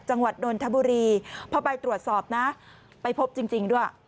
จังหวัดนทบุรีพอไปตรวจสอบนะไปพบจริงจริงด้วย